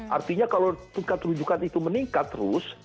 artinya kalau tingkat rujukan itu meningkat terus